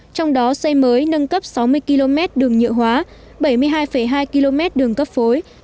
trong đó xây mới nâng cấp sáu mươi km đường nhựa hóa bảy mươi hai hai km đường cấp phối